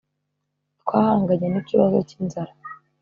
twahanganye n’ikibazo cy’inzara